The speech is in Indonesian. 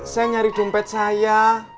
saya nyari dompet saya